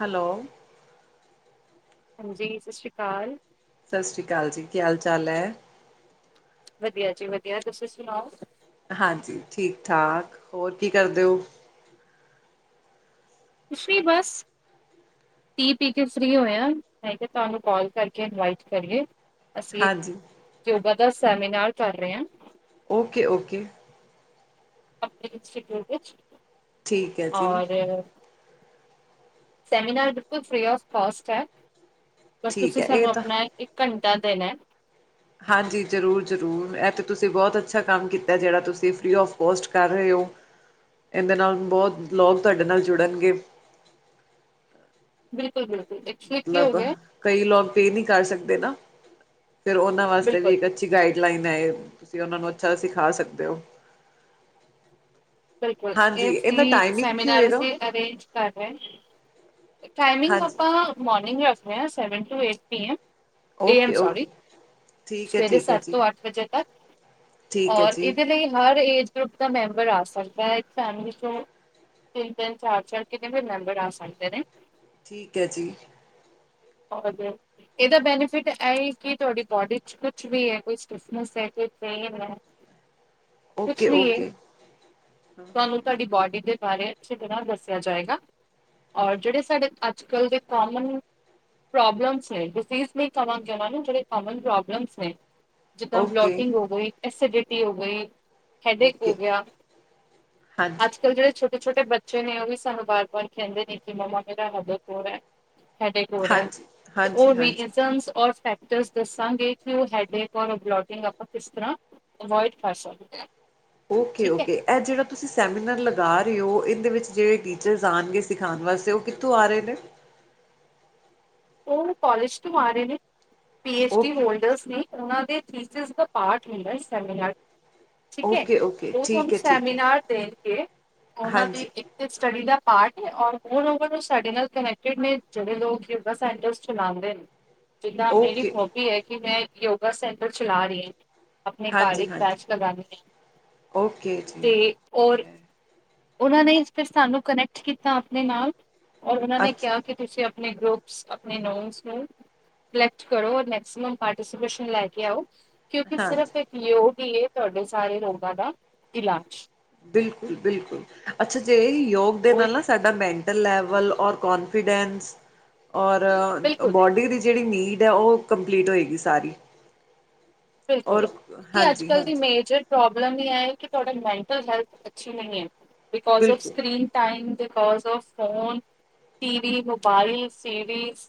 Hello. ਹਾਂਜੀ, ਸਸ਼੍ਰੀ ਕਾਲ। ਸਸ਼੍ਰੀ ਕਾਲ ਜੀ, ਕੀ ਹਾਲ ਚਾਲ ਐ। ਵਦੀਆ ਜੀ ਵਦੀਆ, ਤੂਸੀ ਸੁਨਾਓ। ਹਾਂਜੀ, ਠੀਕ ਠਾਕ, ਹੋਰ ਕੀ ਕਰਦੇ ਓ। ਕੁਛੱਨੀ ਬਾਸ। ਟੀ ਪੀ ਕੇ ਫ੍ਰੀ ਹੋਏਆਂ, ਮੈਂ ਕੇਆ ਤੂਆਨੂੰ ਕਾਲ ਕਾਰਕੇ ਇਨਵਾਈਟ ਕਰੀਏ। ਅਸੀ ਇਕ ਹਾਂਜੀ ਕਿਊਬਾ ਦਾ ਸੈਮੀਨਾਰ ਕਾਰ ਰੇ ਆਂ। Okay, okay. ਅਪਨੇ ਇੰਸਟੀਟਿਊਟ ਵਿਚ, ਠੀਕ ਹੈ ਜੀ ਔਰ। ਸੈਮੀਨਾਰ ਬਿਲਕੁਲ ਫ੍ਰੀ ਆਫ਼ ਕੋਸਟ ਐ, ਬਸ ਠੀਕ ਤੂਸੀ ਹੈ ਇਹ ਸਾਨੂੰ ਤਾਂ ਅਪਨਾ ਇਕ। ਘਂਟਾ ਦੇਨੈ। ਹਾਂਜੀ ਜਰੂਰ, ਜਰੂਰ ਐ ਤੇ ਤੂਸੀ ਬੋਤ ਅੱਛਾ ਕੰਮ ਕੀਤਾ, ਜੇੜਾ ਤੂਸੀ ਫ੍ਰੀ ਆਫ਼ ਕੋਸਟ ਕਾਰ ਰੇ ਓ। ਏਂਦੇ ਨਾਲ ਬੋਤ ਲੋਗ ਤੂਆਡੇ ਨਾਲ ਜੁੜਨਗੇ। ਬਿਲਕੁਲ, ਬਿਲਕੁਲ ਐਕਚੁਲੀ ਕੀ ਹੋ ਮਤਲਬ ਗਐ। ਕਈ ਲੋਗ ਪੇ ਨੀ ਕਾਰ ਸਕਦੇ ਨਾ, ਫੇਰ ਓਨਾਂ ਵਾਸਤੇ ਵੀ ਬਿਲਕੁਲ ਇਕ। ਅੱਛੀ ਗਾਈਡ ਲਈਨ ਹੈ ਏ, ਤੂਸੀ ਓਨਾਂ ਨੂੰ ਅੱਛਾ ਸਿਖਾ ਸਕਦੇ ਓ। ਬਿਲਕੁਲ, ਏ ਹਾਂਜੀ ਇਹਦਾ ਫ੍ਰੀ ਟਾਈਮਿੰਗ ਕੀ ਸੈਮੀਨਾਰ ਹੋਏਗਾ ਅਸੀ ਅਰੇਂਜ। ਕਾਰ ਰੇਆਂ, ਟਾਈਮਿੰਗ ਹਾਂਜੀ ਅਪਾਂ ਮੋਰਨਿੰਗ ਰੱਖਦੇ ਆਂ seven to eight P M. A M okay sorry, okay ਠੀਕ ਹੈ ਸਵੇਰੇ ਠੀਕ ਹੈ ਸਾੱਤ ਜੀ ਤੋਂ ਆੱਠ ਵਜੇ ਤਕ। ਠੀਕ ਹੈ ਔਰ ਜੀ ਇਦੇ ਲਈ ਹਰ ਏਜ ਗਰੁੱਪ ਦਾ ਮੈਂਬਰ ਆ ਸਕਦਾ। ਹੈ ਇਕ ਫੈਮਲੀ ਚੋਂ ਤਿੰਨ, ਤਿੰਨ ਚਾਰ, ਚਾਰ ਕਿੰਨੇ ਵੀ ਮੈਂਬਰ ਆ ਸਕਦੇ ਨੇ। ਠੀਕ ਹੈ ਜੀ। [unintelligible] ਏਦਾ ਬੈਨੀਫਿਟ ਐ ਏ ਕਿ ਤੂਆਡੀ ਬੋਡੀ ਚ ਕੁਛ ਵੀ ਐ, ਕੋਈ ਸਟਿਫਨੇਸ ਐ, ਕੋਈ ਪੇਨ ਐ। Okay, okay. ਤੂਆਨੂੰ ਤੁਆਡੀ ਬੋਡੀ ਦੇ ਬਾਰੇ ਅੱਛੀ ਤਰਾਂ ਦੱਸੇਆ ਜਾਏਗਾ। ਔਰ ਜੇੜੇ ਸਾਡੇ ਅੱਜ-ਕਲ੍ਹ ਦੇ ਕੋਮਨ ਪ੍ਰੋਬਲਮਸ ਨੇ, ਡਿਜੀ਼ਜ਼ ਨੀ ਕਵਾਂਗੇ ਓਨਾ ਨੂੰ, ਜਿਹੜੇ ਕੋਮਨ ਪ੍ਰੋਬਲਮਸ ਨੇ ਜਿੱਦਾਂ ਓਕੇ ਬਲੋਕਿੰਗ ਹੋ ਗਈ, ਐਸੀਡਿਟੀ ਹੋ ਗਈ, ਹੈਡੇਕ ਓਕੇ ਹੋ ਗੇਆ। ਹਾਂਜੀ ਅੱਜ-ਕੱਲ੍ਹ ਜੇੜੇ ਛੋਟੇ-ਛੋਟੇ ਬੱਚੇ ਨੇ, ਓ ਵੀ ਸਾਨੂੰ ਬਾਰ-ਬਾਰ ਕੈਂਦੇ ਨੇ ਕਿ, ਮੰਮਾ ਮੇਰਾ ਹੈਡੇਕ ਹੋ ਰਾ। ਹੈਡੇਕ ਹੋ ਰੈ, ਹਾਂਜੀ ਤੇ ਹਾਂਜੀ ਓ ਹਾਂਜੀ ਰੀਜ਼ਨਸ ਔਰ ਫੇਕ ਜਸ ਦੱਸਾਂਗੇ ਕਿ ਓ ਹੈਡੇਕ ਔਰ ਬਲੋਕਿੰਗ, ਆਪਾਂ ਕਿਸ ਤਰਾਂ ਐਵੋਇਡ ਕਰ ਸਕਦੇ ਆਂ। ਓਕੇ-ਓਕੇ। ਐਹ ਜੇੜਾ ਤੁਸੀਂ ਸੈਮੀਨਾਰ ਲਗਾ ਰੇ ਓ, ਏਂਦੇ ਵਿੱਚ ਜੇੜੇ ਟੀਚਰਸ ਆਨਗੇ ਸਿਖਾਨ ਵਾਸਤੇ, ਓ ਕਿੱਥੋਂ ਆ ਰੇ ਨੇ? ਓ ਕੋਲੇਜ ਤੋਂ ਆ ਰੇ ਨੇ, P H D okay holders ਨੇ। ਉਹਨਾਂ ਦੇ ਥੀਂਚਸ ਦਾ ਪਾਟ ਹੁੰਦਾ ਐ, ਸੈਮੀਨਾਰ। ਠੀਕ ਏ, ਓਕੇ ਓਕੇ ਉਹ ਠੀਕ ਤੁਹਾਨੂੰ ਹੈ ਠੀਕ ਹੈ ਸੈਮੀਨਾਰ ਦੇਖ ਕੇ, ਉਹਨਾਂ ਦੀ ਹਾਂਜੀ ਇਕ ਤੇ ਸਟੱਡੀ ਦਾ ਪਾਟ ਏ, ਔਰ ਉਹ ਲੋਕਾਂ ਨੂੰ ਸਾਡੇ ਨਾਲ ਕਨੈਕਟਡ ਨੇ ਜਿਹੜੇ ਲੋਕ ਬਸ ਇੰਟਰਸਟ ਚਲਾਂਦੇ ਨੇ, ਜਿੱਦਾਂ ਮੇਰੀ ਓਕੇ ਹੋਬੀ ਏ ਕਿ ਮੈਂ ਯੋਗਾ ਸੈਂਟਰ ਚਲਾ ਰੀ। ਆਪਣੇ ਘਰ ਹਾਂਜੀ ਇੱਕ ਹਾਂਜੀ ਪ੍ਰੈਸ ਲਗਾਨੀ ਓਕੇ ਜੀ ਤੇ ਠੀਕ ਔਰ, ਹੈ ਉਹਨਾਂ ਨੇ ਇਸ ਤੇ ਸਾਨੂੰ ਕਨੈਕਟ ਕੀਤਾ ਆਪਣੇ ਨਾਲ। ਔਰ, ਉਹਨਾਂ ਨੇ ਕਿਹਾ ਅੱਛਾ ਕਿ ਤੁਸੀਂ ਆਪਣੇ ਗਰੁੱਪ ਆਪਣੇ ਨੋਸ ਨੂੰ ਕਲੈਕਟ ਕਰੋ, ਔਰ ਮੈਕਸੀਮਮ ਪਾਰਟੀ ਸਪਿਸਨ ਲੈ ਕੇ ਆਓ। ਕਿਉਂਕਿ, ਹਾਂਜੀ ਸਿਰਫ ਇੱਕ ਯੋਗ ਈ ਏ, ਤੁਹਾਡੇ ਸਾਰੇ ਰੋਗਾਂ ਦਾ ਇਲਾਜ। ਬਿਲਕੁਲ-ਬਿਲਕੁਲ ਅੱਛਾ ਜੇ ਯੋਗ ਦੇ ਉਹ ਨਾਲ ਇੱਕ ਨਾ ਸਾਡਾ ਮੈਂ ਟਲ ਲੈਵਲ ਔਰ ਕੋਨਫੀਡੈਂਸ, ਔਰ ਬਿਲਕੁਲ ਬਾਡੀ ਦੀ ਜਿਹੜੀ ਨੀਡ ਆ ਉਹ ਕੰਪਲੀਟ ਹੋਏਗੀ ਸਾਰੀ ਔਰ ਬਿਲਕੁਲ, ਕੀ ਹਾਂਜੀ ਅੱਜ-ਕੱਲ੍ਹ ਦੀ ਹਾਂਜੀ ਮੇਜਰ ਪ੍ਰੋਬਲਮ ਇਹ ਐ ਕਿ ਤੁਹਾਡਾ ਮੈਂਟਲ ਹੈਲਥ ਅੱਛੀ ਨਹੀਂ ਐ, ਬਿਕੋਜ ਫ ਬਿਲਕੁਲ screen time because of phone, T V, mobile, series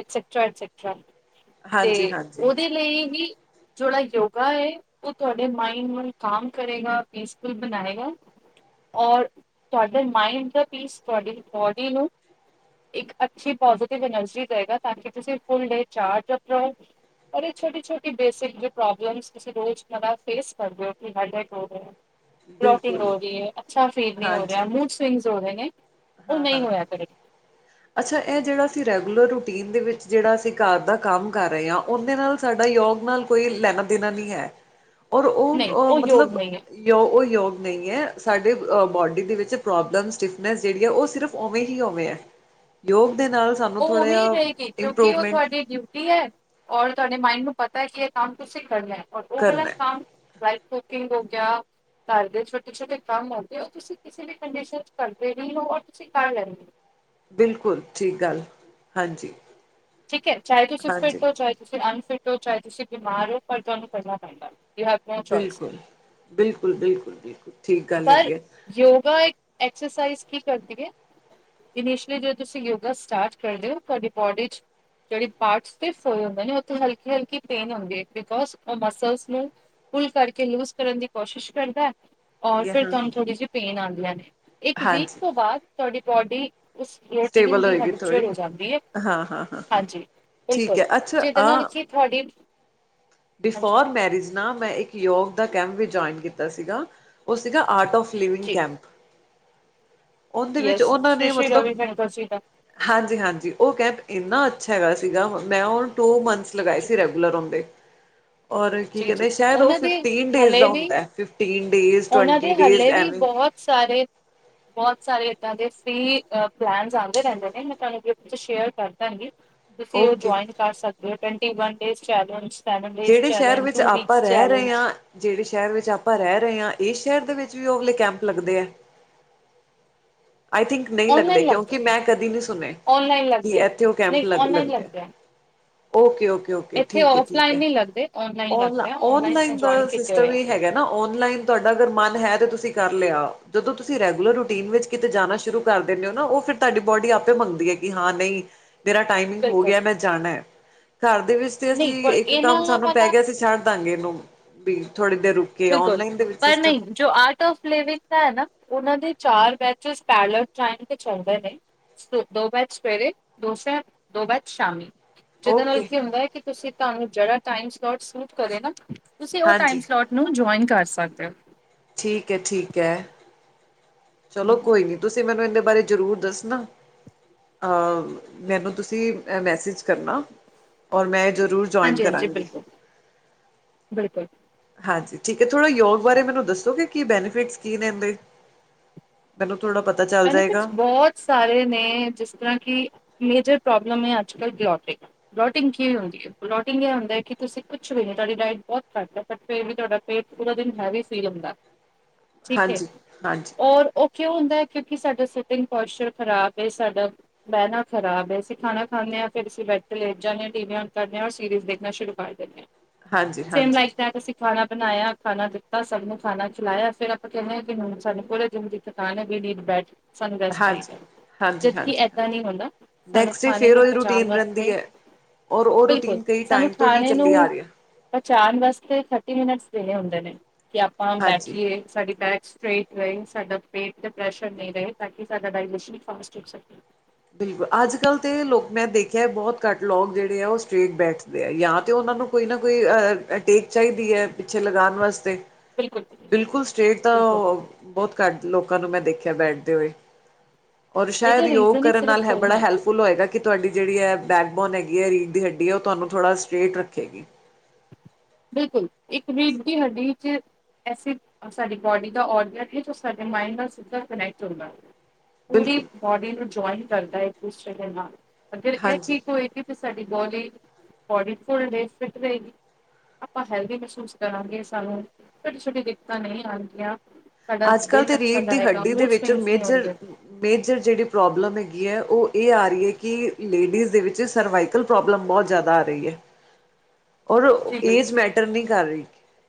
etcetera etcetera ਹਾਂਜੀ ਤੇ ਹਾਂਜੀ ਉਹਦੇ ਲਈ ਵੀ ਥੋੜਾ ਯੋਗਾ ਹੋਏ, ਉਹ ਤੁਹਾਡੇ ਮਾਈੰਡ ਨੂੰ ਕਾਮ ਕਰੇਗਾ, ਪੀਸਫੁਲ ਬਣਾਏਗਾ। ਔਰ, ਤੁਹਾਡੇ ਮਾਇੰਡ ਦਾ ਪੀਸ, ਤੁਹਾਡੀ ਬੋਡੀ ਨੂੰ ਇੱਕ ਅੱਛੀ ਪੋਜ਼ਟਿਵ ਐਨਰਜੀ ਦ‌ਏਗਾ ਤਾਂ ਕਿ ਤੁਸੀਂ ਫੁਲ ਡੇ ਚਾਰਜ਼ ਅਪ ਰ‌ਓ। ਅਰੇ ਛੋਟੀ-ਛੋਟੀ ਬੇਸਿਕ ਜੀ ਪ੍ਰੋਬਲਮਸ ਤੁਸੀਂ ਰੋਜ਼ ਹਨਾ, ਫੇਸ ਕਰਦੇ ਓ ਕਿ ਹੈਡਡ ਹੋ ਰਹੇ ਓ। ਬਲੋਕਿੰਗ ਬਿਲਕੁਲ ਹੋ ਰਹੀ ਏ, ਅੱਛਾ ਫੀਲ ਨੀ ਹੋ ਹਾਂਜੀ ਰਿਹਾ, ਮੂਥ ਸਵਿੰਗਸ ਹੋ ਰਹੇ ਨੇ, ਉਹ ਹਾਂ ਨਹੀਂ ਹਾਂ ਹੋਇਆ ਕਰੇ ਅੱਛਾ ਇਹ ਜਿਹੜਾ ਅਸੀਂ ਰੈਗੂਲਰ, ਰੂਟੀਨ ਦੇ ਵਿੱਚ ਜਿਹੜਾ ਅਸੀਂ ਘਾਰ ਦਾ ਕੰਮ ਕਰ ਰਹੇ ਆ, ਉਹਦੇ ਨਾਲ ਸਾਡਾ ਯੋਗ ਨਾਲ ਕੋਈ ਲੈਣ-ਦੇਣਾ ਨਹੀਂ ਐ, ਔਰ ਉਹ ਨਹੀਂ ਉ ਯੋਗ ਮਤਲਬ ਨਹੀਂ ਹੈ ਯੋ, ਉਹ ਯੋਗ ਨਹੀਂ ਐ, ਸਾਡੇ ਬੋਡੀ ਦੇ ਵਿੱਚ ਪ੍ਰੋਬਲਮ ਸਟਿਫਨੈਂਸ ਜਿਹੜੀ ਐ, ਉਹ ਸਿਰਫ ਹੋਵੇ ਹੀ ਹੋਵੇ ਐ। ਯੋਗ ਦੇ ਨਾਲ ਸਾਨੂੰ ਉਹ ਉਵੇਂ ਈ ਰਹੇਗੀ ਕਿਉਂਕਿ, ਉਹ ਇੰਪਰੂਵਮੈਂਟ ਤੁਹਾਡੀ ਡਿਊ ਟੀ ਐ, ਔਰ ਤੁਹਾਡੇ ਮਾਇੰਡ ਨੂੰ ਪਤਾ ਕਿ ਇਹ ਕੰਮ ਤੁਸੀਂ ਕਰਨਾ, ਔਰ ਓ ਵਾਲਾ ਕਰਨਾ ਕੰਮ ਲਾਈਕ ਕੁਕਿੰਗ ਹੋ ਗਿਆ ਘਰ ਦੇ ਛੋਟੇ-ਛੋਟੇ ਕੰਮ ਆਉਦੇ, ਓ ਤੁਸੀਂ ਕਿਸੇ ਵੀ ਕੰਡੀਸ਼ਨ 'ਚ ਕਰਦੇ ਹੀਂ ਹੋ, ਔਰ ਤੁਸੀਂ ਕਰ ਲੈਂਦੇ ਓ। ਬਿਲਕੁਲ ਠੀਕ ਗੱਲ, ਹਾਂਜੀ। ਠੀਕ ਏ, ਚਾਹੇ ਤੁਸੀਂ ਹਾਂਜੀ ਫਿਟ ਓ, ਚਾਹੇ ਤੁਸੀਂ ਅਨਫਿਟ ਓ ਚਾਹੇ ਤੁਸੀਂ ਬਿਮਾਰ ਓ, ਪਰ ਤੁਹਾਨੂੰ ਕਰਨਾ ਪੈਂਦਾ ਨੋ ਚੋਇਸ ਬਿਲਕੁਲ, ਬਿਲਕੁਲ-ਬਿਲਕੁਲ, ਬਿਲਕੁਲ ਠੀਕ ਗੱਲ ਪਰ ਹੈਗੀ ਐ ਯੋਗਾ ਇੱਕ ਐਕਸਰਸਾਈਜ਼ ਕੀ ਕਰਦੀ ਹੈ। ਇਨੀਸ਼ਲੀ ਜ ਤੁਸੀਂ ਯੋਗਾ ਸਟਾਰਟ ਕਰਦੇ ਹੋ ਤੁਹਾਡੀ ਬੋਡੀ ਚ। ਜਿਹੜੀ ਪਾਰਟਸ ਤੇ ਫਏ ਹੁੰਦੇ ਨੇ ਉਥੇ ਹਲਕੀ ਹਲਕੀ ਪੇਨ ਹੁੰਦੀ ਹੈ ਬਿਕੋਜ ਉਹ ਮਸਲਸ ਨੂੰ। ਫੁੱਲ ਕਰਕੇ ਲੂਜ ਕਰਨ ਦੀ ਕੋਸ਼ਿਸ਼ ਕਰਦਾ। ਔਰ ਹੈ ਫਿਰ ਤੁਹਾਨੂੰ ਥੋੜ੍ਹੀ ਜਿਹੀ ਪੇਨ ਆਉਂਦੀ ਹੈ ਇੱਕ ਵੀਕ ਹਾਂਜੀ ਤੋਂ ਬਾਅਦ ਤੁਹਾਡੀ ਬੋਡੀ। ਰੋਟੀਨ ਸਟੇਬਲ ਦੀ ਹੋਏਗੀ ਹਰਚੁਲ ਥੋੜ੍ਹੀ ਹੋ ਜਾਂਦੀ ਹੈ। ਹਾਂ ਹਾਂ ਹਾਂ। ਹਾਂ ਹਾਂਜੀ ਠੀਕ ਬਿਲਕੁਲ ਹੈ ਅੱਛਾ ਜਿਦੇ ਆ ਨਾਲ ਅਸੀਂ ਤੁਹਾਡੀ। ਹਾਂਜੀ ਬਿਫੋਰ ਮੈਰਿਜ ਨਾ ਮੈਂ ਇੱਕ। ਯੋਗ ਦਾ ਕੈਂਪ ਵੀ ਜੁਆਇਨ ਕੀਤਾ ਸੀਗਾ ਉਹ ਸੀਗਾ ਆਰਟ ਆਫ ਲਿਵਿੰਗ ਜੀ ਕੈਂਪ। ਉਹਦੇ ਵਿੱਚ ਉਹਨਾਂ ਨੇ ਮਤਲਬ। ਦੱਸ ਦਾ। ਹਾਂਜੀ ਹਾਂਜੀ ਉਹ ਕੈਬ ਇੰਨਾ ਅੱਛਾ ਹੈਗਾ ਸੀਗਾ ਮੈਂ ਉਹ ਟੂ ਮੰਥ। ਲਗਾਏ ਸੀ ਰੈਗੂਲਰ ਹੁੰਦੇ। ਔਰ ਕੀ ਜੀ ਜੀ ਕਹਦੇ ਸ਼ਾਇਦ ਉਹ ਉਹਨਾਂ ਦੇ ਫਿਫਟੀਨ ਡੇਜ਼ ਦਾ ਹਲੇ ਵੀ ਹੁੰਦਾ ਹੈ। ਫਿਫਟੀਨ ਡੇਜ਼ ਉਹਨਾਂ ਦੇ ਟਵੈਂਟੀ ਡੇਜ਼ ਹਲੇ ਵੀ ਐਵੇ। ਬਹੁਤ ਸਾਰੇ। ਬਹੁਤ ਸਾਰੇ ਇਏਦਾਂ ਦੇ ਫੀ ਪਲੈਨ ਆਉਂਦੇ ਰਹਿੰਦੇ ਨੇ, ਮੈਂ ਤੁਹਾਨੂੰ ਸ਼ੇਅਰ ਕਰਦਾਾਂਗੀ। ਤੁਸੀਂ ਉਹ ਓਕੇ ਜੁਆਇਨ ਕਰ ਸਕਦੇ ਹੋ twenty one days day challenge step. ਜਿਹੜੇ ਸ਼ਹਿਰ ਵਿੱਚ ਆਪਾਂ ਰਹਿ ਰਹੇ ਹਾਂ। ਜਿਹੜੇ ਸ਼ਹਿਰ ਵਿੱਚ ਆਪਾਂ ਰਹਿ ਰਹੇ ਹਾਂ, ਇਸ ਸ਼ਹਿਰ ਦੇ ਵਿੱਚ ਵੀ ਅਗਲੇ ਕੈਂਪ ਲੱਗਦੇ ਆ। I think. ਨਹੀਂ ਲੱਗਦੇ ਔਨਲਾਈਨ ਕਿਉਂਕਿ ਲੱਗਦਾ ਮੈਂ ਕਦੀ ਨਹੀਂੀ ਸੁਣੇ, ਔਨਲਾਈਨ ਕਿ ਲੱਗਦੇ ਆ ਇੱਥੇ ਉਹ ਕੈਂਪ ਨਹੀਂ ਲ ਔਨਲਾਈਨ ਲੱਗਦੇ। ਆ। ਓਕੇ ਓਕੇ ਓਕੇ ਇੱਥੇ ਠੀਕ ਹੈ ਠੀਕ ਔਫਲਾਈਨ ਹੈ, ਨਹੀਂ ਲੱਗਦੇ ਔਨਲਾਈਨ ਲੱਗਦੇ ਆ ਮੈਂ ਔਨਲਾਈਨ ਜੁਆਇਨ ਬਸ। ਕੀਤੇ ਹੋਏ ਸਿਸਟਮ ਆ ਹੈਗਾ ਨਾ ਔਨਲਾਈਨ ਤੁਹਾਡਾ ਅਗਰ ਮਨ ਹੈ, ਤੇ ਤੁਸੀਂ ਕਰ ਲਿਆ ਜਦੋਂ ਤੁਸੀਂ ਰੈਗੂਲਰ ਰੂਟੀਨ ਵਿੱਚ। ਕਿਤੇ ਜਾਣਾ ਸ਼ੁਰੂ ਕਰ ਦਿੰਦੇ ਹੋ ਨਾ ਉਹ ਫਿਰ ਤੁਹਾਡੀ ਬੋਡੀ ਆਪੇ ਮੰਗਦੀ ਹੈ। ਕਿ ਹਾਂ ਨਹੀਂ। ਮੇਰਾ ਟਾਈਮਿੰਗ ਹੋ ਬਿਲਕੁਲ ਗਿਆ। ਮੈਂ ਜਾਣਾ ਹੈ ਘਰ ਦੇ ਵਿੱਚ ਤੇ, ਨਹੀਂ ਅਸੀਂ ਪਰ ਇੱਕ ਇਹਨਾਂ ਕੰਮ ਸਾਨੂੰ ਪੈ ਵਾਲਾ ਗਿਆ ਅਸੀਂ ਛੱਡ। ਦੱਸਾਂਗੇ ਇਹਨੂੰ ਥੋੜੇ ਦਿਨ ਰੁਕ ਕੇ ਬਿਲਕੁਲ ਆਨਲਾਈਨ ਦੇ ਵਿੱਚ ਪਰ ਸਿਸਟਮ। ਨਹੀਂ ਜੋ ਆਰਟਫ ਲਿਵ ਨਾਂ ਉਹ ਦੇ ਚਾਰ ਬੈਚ ਪੈਇ ਤੇ ਚਦੇ ਨੇ,। ਦੋ ਬਾਦ ਸਵੇਰੇ ਦੋਸ ਦੋ ਬਾਦ ਸ਼ਾਮੀ। ਜਿਹਦੇ ਨਾਲ ਓਕੇ ਕੀ ਹੁੰਦਾ ਹੈ। ਕਿ ਤੁਸੀਂ ਤੁਹਾਨੂੰ ਜਿਹੜਾ ਟਮ ਸਲੋਟ ਸੂਟ ਕਰੇ ਨਾ ਤੁਸੀਂ ਉਹ ਟਮ ਹਾਂਜੀ ਸਲੋਟ। ਨੂੰ ਜੁਆਇਨ ਕਰ ਸਕਦੇ ਹੋ। ਠੀਕ ਹੈ ਠੀਕ ਹੈ ਹੋ। ਚਲੋ ਕੋਈ ਨੀ, ਤੁਸੀਂ ਮੈਨੂੰ ਇਹਦੇ ਬਾਰੇ ਜ਼ਰੂਰ ਦੱਸ ਨਾ। ਮੈਨੂੰ ਤੁਸੀਂ ਮੈਸੇਜ ਕਰਨਾ, ਔਰ ਮੈਂ ਜ਼ਰੂਰ। ਜੁਆਇਨ ਹਾਂਜੀ ਹਾਂਜੀ, ਕਰਾਂਗੀ ਬਿਲਕੁਲ ਬਿਲਕੁਲ। ਹਾਂਜੀ, ਠੀਕ ਹੈ ਥੋੜਾ ਯੋਗ ਬਾਰੇ, ਮੈਨੂੰ ਦੱਸੋ ਕਿ ਕੀ ਬੈਨੀਫਿਟਸ ਕੀ ਨੇ ਇਹਦੇ। ਮੈਨੂੰ ਥੋੜਾ ਪਤਾ। ਚੱਲ ਬੈਨੀਫਿਟਸ ਜਾਏਗਾ ਬਹੁਤ ਸਾਰੇ ਨੇ ਜਿਸ ਤਰ੍ਹਾਂ ਕਿ ਮੇਜਰ ਪ੍ਰੋਬਲਮ ਹੈ। ਅੱਜ ਕੱਲ੍ਹ ਬਲੋਟਿੰਗ। ਬਲੋਟਿੰਗ ਕੀਵੇ ਹਦੀ ਹੈ। ਲੋਟਿੰਗ ਹੁੰਦਾ ਹੈ। ਕਿ ਤੁਸੀਂ ਕੁਛ ਵੀ ਨ ਤੁਹਾਡੀ ਡਾਇਟ ਬਹੁਤ ਘੱਟ ਹੈ। ਪਰ ਫਿਰ ਵੀ ਤੁਹਾਡਾ ਪੇਟ ਪੂਰਾ ਦਿਨ ਹੈਵੀ ਫੀਲ ਹੁੰਦਾ। ਠੀਕ ਹੈ, ਹਾਂਜੀ ਹਾਂਜੀ ਔਰ ਉਹ ਕਿਉ ਹੁੰਦਾ ਹੈ, ਕਿਉਂਕਿ ਸਾਡਾ ਸਿਟਿੰਗ ਪੋਸਚਰ ਖ਼ਰਾਬ ਹੈ। ਸਾਡਾ। ਬਹਿਣਾ ਖਰਾਬ ਅਸੀਂ ਖਾਣਾ ਖਾਂਦੇ ਹਾਂ, ਫੇਰ ਅਸੀ ਬੈਠ ਕੇ ਲੇਟ ਜਾਂਦੇ ਹਾਂ ਟੀ ਵੀ ਨ ਕਰਦੇ ਔਰ ਸੀਰੀਜ਼ ਦੇਖਣਾ ਸ਼ੁਰੂ। ਕਰ ਦਿੰਦੇ ਹਾਂ। ਹਾਂਜੀ ਸੇਮ ਹਾਂਜੀ ਲਾਈਫ ਦਾ। ਖਾਣਾ ਬਣਾਇਆ ਖਾਣਾ ਦਿੱਤਾ, ਸਭ ਨੂੰ ਖਾਣਾ ਖਿਲਾਇਆ। ਫੇਰ ਆਪਾਂ ਕਹਿੰਦੇ ਹਾਂ, ਕਿ ਹੁਣ ਸਾਨੂੰ ਪੂਰੇ ਜ ਦੀ ਥਕਣ ਹੈ ਵੀ। ਸਾਂਨੂੰ ਬੈਡਰੈਸਟ ਹਾਂਜੀ ਚਾਹੀਦਾਂ। ਹਾਂਜੀ ਜਦਕਿ ਹਾਂਜੀ ਹਾਂ ਏਦਾਂ ਨਹੀਂ ਹੁੰਦਾ। ਸਾਨੂੰ ਨੈਕਸਟ ਡੇ ਖਾਣੇ ਫੇਰ ਨੂੰ ਉਹੀ ਪਹੁੰਚਾਉਣ ਰੂਟੀਨ ਰਹਿੰਦੀ ਵਾਸਤੇ। ਹੈ ਔਰ ਉਹ ਬਿਲਕੁਲ, ਰੂਟੀਨ ਕਈ ਸਾਨੂੰ ਟਾਈਮ ਤੋਂ ਹੀ ਖਾਣੇ ਚੱਲੀ ਆ ਨੂੰ। ਰਹੀ ਹੈ ਪਚਾਣ ਵਾਸਤੇ ਥਰਟੀ ਮਿੰਨਟਸ ਇਹ ਹੁੰਦੇ ਨੇ, ਕਿ ਆਪਾਂ ਹਾਂਜੀ ਬੈਠੀਏ। ਸਾਡੀ ਬੈਕ ਸਟੇਟ ਰਹੀ ਸਾਡਾ ਪੇਟ ਦੇ ਪ੍ਰੈਸ਼ਰ। ਰਹੇ ਤਾਂ ਕਿ ਸਾਡਾ ਡ ਫਾਸਟ ਹੋ ਸਕੇ। ਬਿਲਕੁਲ, ਅੱਜ ਕੱਲ੍ਹ ਤੇ ਲੋਕ ਮੈਂ ਦੇਖਿਆ ਬਹੁਤ ਘੱਟ ਲੋਕ ਜਿਹੜੇ ਆ ਉਹ ਸਟ੍ਰੇਟ ਬੈਠ। ਜਾਂ ਤੇ ਉਹਨਾਂ ਨੂੰ ਕੋਈ ਨਾ ਕੋਈ ਅਟੇਕ ਚਾਹੀਦੀ ਹੈ। ਪਿੱਛੇ ਲਗਾਉਣ ਵਾਸਤੇ। ਬਿਲਕੁਲ ਬਿਲਕੁਲ ਸਟੇਟ ਤਾਂ ਬਿਲਕੁਲ ਬਹੁਤ ਘੱਟ ਲੋਕਾਂ ਨੂੰ ਮੈਂ ਦੇਖਿਆ ਬੈਠਦੇ ਹੋਏ। ਔਰ ਸ਼ਾਇਦ ਇਹਦਾ ਹੀ ਉਹ। ਰੀਜ਼ਨ ਸਿਰਫ ਫੋਨ ਹੈ ਹੈਲਪਫੁੱਲ ਹੋਏਗਾ। ਕਿ ਤੁਹਾਡੀ ਜਿਹੜੀ ਹੈ ਬੈਕਬੋਨ ਹੈਗੀ ਹੈ, ਰੀਕ ਦੀ ਹੱਡੀ ਹੈ ਉਹ ਤੁਹੂੰ ਥੋੜ੍ਹਾ ਸਟਰੇਟ ਰੱਖੇਗੀ। ਬਿਲਕੁਲ ਇੱਕ ਰੇਡ ਦੀ ਹੱਡੀ ਚ਼। ਐਸੀ ਸਾਡੀ ਬੋਡੀ ਦਾ ਔਡੀਅਨ ਹੈ, ਜੋ ਸਾਡੇ ਮਾਇੰਡ ਨਾਲ ਸਿੱਧਾ ਕਨੈਕਟ ਹੋੁੰਗਾ। ਪੂਰੀ ਬਿਲਕੁਲ ਬੋਡੀ ਨੂੰ ਜੁਆਇਨ ਕਰਦਾ। ਇੱਕ ਉਸ ਚਰ ਦੇ ਨਾਲ ਅਗਰ ਇਹ ਹਾਂਜੀ ਠੀਕ ਹੋਏਗੀ। ਤੇ ਸਾਡੀ ਬੋਡੀ ਬੋਡੀ ਫੁਲ ਰਹੇ ਫਿਟ ਰਹੇਗੀ। ਆਪਾਂ ਹੈਲਦੀ ਮਹਿਸੂਸ ਕਰਾਂਗੇ। ਸਾਨੂੰ ਛੋਟੀ ਛੋਟੀ ਦਿੱਕਤਾਂ ਨਹੀਂ ਆਉਣਗੀਆਂ। ਅੱਜ ਕੱਲ੍ਹ ਦੀ ਰੀੜ ਦੀ ਹੱਡੀ ਦੇ ਵਿੱਚ ਸਵਿੰਗਸ ਨਹੀਂ ਮੇਜਰ,। ਹੋਣਗੇ ਮੇਜ਼ਰ ਜਿਹੜੀ ਪ੍ਰੋਬਲਮ ਹੈਗੀ ਹੈ। ਉਹ ਇਹ ਆ ਰਹੀ ਹੈ, ਕਿ ਲੇਡੀਜ਼ ਦੇ ਵਿੱਚ ਸਰਵਾਈਕਲ। ਪ੍ਰੋਬਲਮ ਬਹੁਤ ਜ਼ਿਆਦਾ ਆ ਰਹੀ ਹੈ। ਔਰ ਜੀ ਏਜ ਬਿਲਕੁਲ ਮੈਟਰ ਨਈ ਕਰ ਰਈ,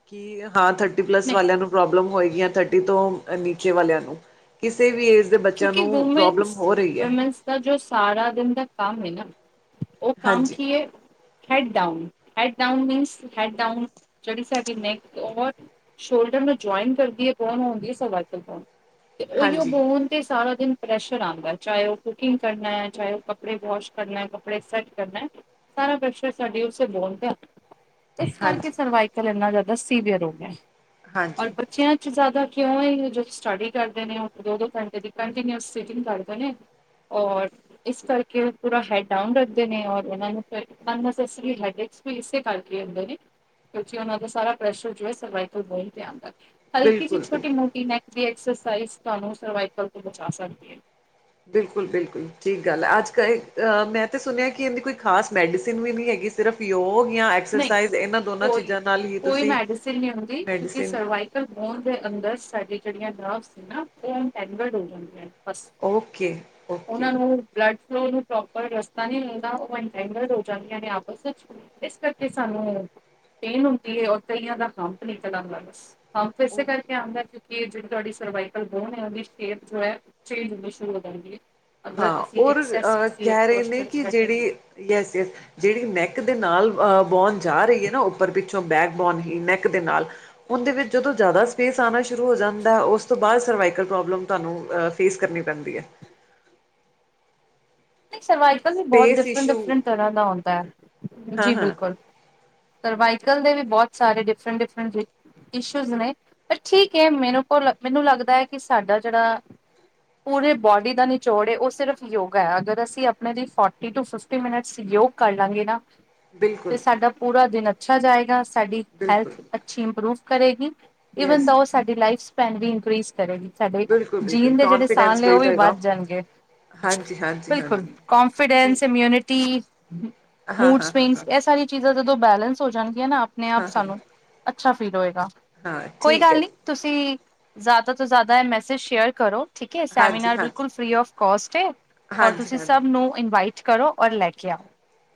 ਕਿ ਹਾਂ ਥਰਟੀ ਪਲੱਸ ਨਹੀਂ ਵਾਲਿਆਂ ਨੂੰ। ਪ੍ਰਬਲਮ ਹੋਏਗੀ ਥਰਟੀ ਤੋਂ, ਨੀਚੇ ਵਲਆ ਨੂੰ ਕਿਸੇ ਵੀ ਏਜ। ਅੱਜ ਦੇ ਬੱਚਿਆਂ ਕਿਉਂਕਿ ਨੂੰ ਪ੍ਰੋਬਲਮ ਵੂਮੈਨਸ ਹੋ ਰਈ ਹੈ। ਵੂਮੈਨਸ ਦਾ ਜੋ ਸਾਰਾ ਦਿਨ ਦਾ ਕੰਮ ਐ, ਨਾ ਉਹ ਕੰਮ ਹਾਂਜੀ ਕੀ ਐ। Head down, head down means, head down ਜੜ ਸਾਡੀੈਕ ਓਰ। ਸ਼ੋਲਡਰ ਨੂੰ ਜੁਆਇਨ ਕਰਦੀ ਐ, ਬੋਨ ਆਉਦੀ ਹੈ, ਸਵਾਕਲ ਬੋਨ ਤੇ ਉਹੀਓ ਹਾਂਜੀ ਬੋਨ। ਤੇ ਸਾਰਾ ਦਿਨ ਪ੍ਰੈਸ਼ਰ ਆਂਦਾ, ਚਾਹੇ ਉਹ ਕੁਕਿੰਗ ਕਰਨਾ ਐ, ਚਾਹੇ ਉਹ ਕੱਪੜੇ ਵਾਸ਼ ਕਰਨਾ, ਕਪੜੇ ਸੈੱਟ ਕਰਨਾ। ਸਾਰਾ ਪ੍ਰਸ਼ਰ ਸਾਡੇ ਉਸੇ ਬੋਨ ਤੇ। [unintelligible] ਇਸ ਕਰਕੇ ਹਾਂਜੀ ਸਰਵਾਈਕਲ ਇੰਨਾ ਜ਼ਿਆਦਾ ਸੀਵੀਅਰ ਹੋ ਗਿਆ, ਹਾਂਜੀ ਔਰ ਬੱਚਿਆਂ। ਜ਼ਿਆਦਾ ਕਿਉਂ ਐ ਗਰੁੱਪ ਸਟੱਡੀ ਕਰਦੇ ਨੇ, ਉਹ ਦੋ, ਦੋ ਘੰਟੇ ਦੀ ਕੰਟੀਨਿਊਸ ਸਿਟਿੰਗ ਕਰਦੇ ਨੇ। ਔਰ। ਇਸ ਕਰਕੇ ਪੂਰਾ ਹੈਡ ਡਾਊਨ ਰੱਖਦੇ ਨੇ, ਔਰ ਇਨਾਂ ਨੂੰ। [unintelligible] ਇਸੇ ਕਰਕੇ ਹੋਂਦੇ ਨੇ, ਕਿਉਂਕਿ ਓਨਾ ਨੂ ਸਾਰਾ ਪ੍ਰੈਸ਼ਰ ਜੋ ਹੈ ਸਰਵਾਈਕਲ ਬੋਨ ਤੇ ਆਦਾ ਐ। ਹਲਕੀ ਸੀ ਬਿਲਕੁਲ ਛੋਟੀ ਬਿਲਕੁਲ ਮੋਟੀ ਨੈਕ ਦੀ ਐਕਸਰਸਾਈਜ਼ ਤੁਹਾਨੂੰ ਸਰਵਾਈਕਲ ਤੋਂ ਬਚਾ ਸਕਦੀ ਹੈ। ਬਿਲਕੁਲ, ਬਿਲਕੁਲ ਠੀਕ ਗੱਲ ਆ, ਅੱਜ-ਕੱਲ ਮੈਂ ਤਾਂ ਸੁਣਿਆ ਕਿ ਇਹਦੀ ਕੋਈ ਖਾਸ ਮੈਡੀਸਨ ਵੀ ਨਈ ਹੈਗੀ। ਸਿਰਫ ਯੋਗ ਜਾਂ ਨਹੀਂ ਐਕਸਰਸਾਈਜ਼ ਇਹਨਾਂ ਦੋਨਾਂ ਕੋਈ ਚੀਜ਼ਾਂ ਨਾਲ ਹੀ ਕੋਈ ਤੁਸੀਂ ਮੈਡੀਸਿਨ ਨਹੀਂ ਹੁੰਦੀ ਕਿਉਂਕਿ ਮੈਡੀਸਿਨ। ਸਰਵਾਈਕਲ ਬੋਨ ਦੇ ਅੰਦਰ ਸਾਡੀ ਜਿਹੜੀਆਂ ਨਵਜ ਹੇਨਾ, ਉਹ ਇਟੈਨਗਡ ਹੋ ਜਾਂਦੀਆਂ। ਬਸ, ਓਕੇ ਓਨਾਂ ਓਕੇ ਨੂੰ। ਬਲਡ ਫਲੋ ਨੂੰ ਪ੍ਰੋਪਰ ਰਸਤਾ ਨਈ ਮਿਲਦਾ ਓ, [unintelligible] ਹੋ ਜਾਂਦੀਆ ਆਪਸ ਚ ਇਸ ਕਰ। ਕਿ ਸਾਨੂੰ ਪੇਨ ਹੁੰਦੀ ਐ, ਔਰ ਕਈਆਂ ਦਾ ਹੰਪ ਨਿਕਲਾ ਜਾਂਦਾ ਬਸ। ਹ ਇਸੇ ਓਕੇ ਕਰਕੇ ਆਂਦਾ ਐ। ਕਿ ਜਿਹੜੀ ਤੁਹਾਡੀ ਸਰਵਾਈਕਲ ਬੋਨ ਐ, ਉਦੀ ਸਿਹਤ ਜੋ ਐ, ਚੇਂਜ ਹੋਣੀ ਸ਼ੁਰੂ ਹੋ ਜਾਂਦੀ ਹੈ। ਅਗਰ ਹਾਂ ਅਸੀਂ ਔਰ ਐਕਸੈਸ ਕਿਸੇ ਇੱਕ ਕਹਿ ਰਹੇ ਨੇ ਪੋਸਚਰ 'ਚ ਕਿ, ਬੈਠੇ ਹੋਈਏ। ਜਿਹੜੀ ਯਸ, ਯਸ। ਜਿਹੜੀ ਨੈਕ ਦੇ ਨਾਲ ਅਹ ਬੋਨ ਜਾ ਰਈ ਐ, ਨਾ ਉੱਪਰ ਪਿੱਛੋਂ ਬੈਕ ਬੋਨ ਹੀ ਨੈਕ ਦੇ ਨਾਲ। ਉਦੇ ਵਿੱਚ ਜਦੋਂ ਜ਼ਿਆਦਾ ਸਪੇਸ ਆਉਣਾ ਸ਼ੁਰੂ ਹੋ ਜਾਂਦਾ, ਉਸ ਤੋਂ ਬਾਅਦ ਸਰਵਾਈਕਲ ਪ੍ਰੋਬਲਮ ਤਾਨੂੰ। ਫੇਸ ਕਰਨੀ ਪੈਂਦੀ ਐ। ਸਰਵਾਈਕਲ ਵੀ ਬੋਤ ਸਪੇਸ ਡਿਫਰੈਂਟ, ਇਸ਼ੂ ਡਿਫਰੈਂਟ ਤਰ੍ਹਾਂ ਦਾ ਹੁੰਂਦਾ ਐ, ਹਾਂ ਜੀ ਹਾਂ ਬਿਲਕੁਲ ਸਰਵਾਈਕਲ ਦੇ ਵੀ ਬਹੁਤ ਸਾਰੇ ਡਿਫਰੈਂਟ, ਡਿਫਰੈਂਟ ਜੀ ਇਸ਼ੂਜ ਨੇ, ਪਰ ਠੀਕ ਐ, ਮੇਂਰੇਕੋ, ਮੈਨੂੰ ਲੱਗਦਾ ਐ, ਕਿ ਸਾਡਾ ਜਿਹੜਾ ਪੂਰੇ ਬੋਡੀ ਦਾ ਨਿਚੋੜ, ਉਹ ਸਿਰਫ ਯੋਗਾ ਹੈ ਅਗਰ ਅਸੀਂ ਆਪਣੇ ਲਈ ਫੋਰਟੀ ਟੂ, ਫਿਫਟੀ ਮਿਨਟਸ ਯੋਗ ਕਰ ਲਾਂਗੇ ਨਾ ਤੇ ਬਿਲਕੁਲ ਸਾਡਾ ਪੂਰਾ ਦਿਨ ਅੱਛਾ ਜਾਏਗਾ, ਸਾਡੀ ਬਿਲਕੁਲ ਹੈਲਥ ਅੱਛੀ ਇੰਪਰੂਵ ਕਰੇਗੀ ਈਵਨ ਯੈਸ ਦਾ, ਉਹ ਸਾਡੀ ਲਾਈਫ ਸਪੈਨ ਵੀ ਇਨਕਰੀਜ਼ ਕਰੇਗੀ ਸਾਡੇ, ਬਿਲਕੁਲ ਬਿਲਕੁਲ ਜੀਣ ਦੇ ਜਿਹੜੇ ਸਾਲ ਕੌਨਫੀਡੈਂਸ ਨੇ, ਉਹ ਬਿਲਡ ਵੀ ਹੋਏਗਾ ਵੱਧ ਜਾਣਗੇ ਹਾਂਜੀ ਹਾਂਜੀ ਬਿਲਕੁਲ ਹਾਂਜੀ ਕੋਂਫਿਡੈਂਸ, ਠੀਕ ਹੈ ਇਮਿਊਨਿਟੀ, ਹਾਂ ਮੂਡ ਹਾਂ ਜੀ ਸਵਿੰਗ ਇਹ ਸਾਰੀ ਚੀਜ਼ਾਂ ਜਦੋਂ ਬੈਲੈਂਸ ਹੋ ਜਾਣਗੀਆਂ ਨਾ, ਆਪਣੇ ਆਪ ਸਾਨੂੰ ਅੱਛਾ ਫੀਲ ਹੋਏਗਾ, ਹਾਂ ਕੋਈ ਗੱਲ ਨਹੀਂ ਜੀ ਤੁਸੀਂ, ਜ਼ਿਆਦਾ ਤੋਂ ਜ਼ਿਆਦਾ ਇਹ ਮੈਸੇਜ ਸ਼ੇਅਰ ਕਰੋ ਠੀਕ ਐ, ਹਾਂ ਜੀ ਸੈਮੀਨਾਰ ਹਾਂ ਠੀਕ ਹੈ ਜੀ ਹਾਂਜੀ ਹਾਂਜੀ ਬਿਲਕੁਲ ਫ੍ਰੀ ਆਫ ਕੋਸਟ ਐ, ਔਰ ਹਾਂਜੀ ਤੁਸੀਂ ਹਾਂਜੀ ਸਭ ਨੂੰ ਇਨਵਾਈਟ ਕਰੋ, ਔਰ ਲੈ ਕੇ ਆਓ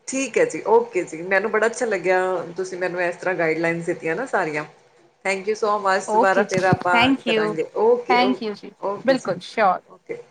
ਠੀਕ ਐ ਜੀ, ਓਕੇ ਜੀ, ਮੈਨੂੰ ਬੜਾ ਅੱਛਾ ਲੱਗਿਆ, ਤੁਸੀਂ ਮੈਨੂੰ ਇਸ ਤਰ੍ਹਾਂ ਗਾਈਡਲਾਈਨਸ ਦਿੱਤੀਆਂ ਨਾ ਸਾਰੀਆਂ [inaudible] ਥੈਂਕ ਯੂ ਸੋ ਮਚ, ਆਓ ਦੁਬਾਰਾ ਓਕੇ ਫਿਰ ਜੀ ਆਪਾਂ ਥੈਂਕ ਯੂ। ਕਰਾਂਗੇ ਓਕੇ, ਥੈਂਕ ਓਕੇ, ਯੂ ਜੀ ਓਕੇ ਜੀ ਬਿਲਕੁਲ ਸ਼ੋਰ ਓਕੇ ਓਕੇ